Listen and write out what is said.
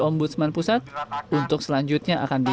ombudsman perwakilan daerah istimewa yogyakarta